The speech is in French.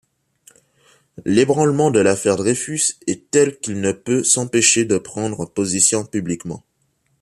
L'ébranlement de l'Affaire Dreyfus est tel qu'il ne peut s'empêcher de prendre position publiquement.